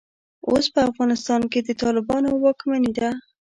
اوس په افغانستان کې د طالبانو واکمني ده.